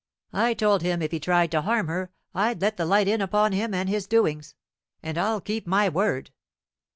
I told him if he tried to harm her I'd let the light in upon him and his doings. And I'll keep my word."